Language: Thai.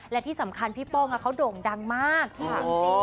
และที่สำคัญพี่ป้องเขาโด่งดังมากที่จริง